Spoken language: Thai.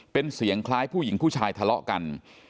เป็นเสียงคล้ายผู้หญิงผู้ชายทะเลาะกัน